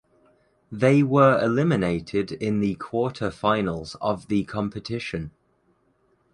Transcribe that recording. They were eliminated in the quarterfinals of the competition.